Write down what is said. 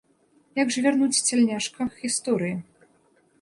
Як жа вярнуць цяльняшках гісторыі?